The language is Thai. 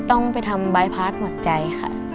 ต้องไปทำไบใปราชหมดใจค่ะ